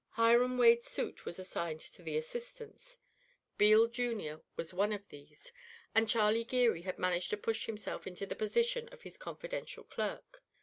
Hiram Wade's suit was assigned to the assistants. Beale, Jr., was one of these, and Charlie Geary had managed to push himself into the position of his confidential clerk.